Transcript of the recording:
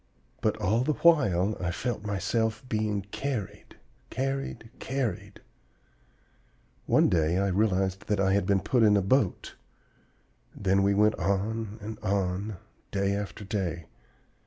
But all the while I felt myself being carried, carried, carried! One day I realized that I had been put in a boat; then we went on and on, day after day.